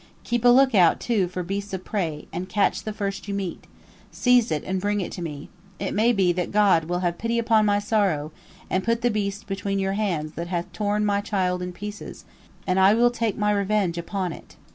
Keep a lookout, too, for beasts of prey, and catch the first you meet. Seize it and bring it to me. It may be that God will have pity upon my sorrow, and put the beast between your hands that hath torn my child in pieces, and I will take my revenge upon it."